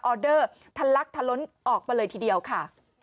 อเดอร์ทะลักทะล้นออกมาเลยทีเดียวค่ะ